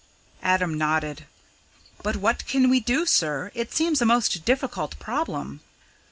Adam nodded. "But what can we do, sir it seems a most difficult problem."